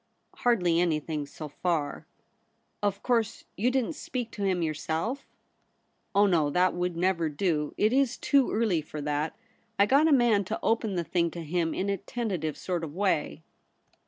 ' Hardly anything, so far.' ' Of course you didn't speak to him your self?' * Oh no ; that would never do. It Is too 'WHO SHALL SEPARATE US?' 65 early for that. I got a man to open the thing to him in a tentative sort of way.'